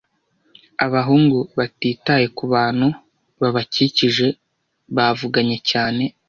[Abahungu batitaye kubantu babakikije, bavuganye cyane.